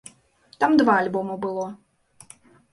Там два альбома было.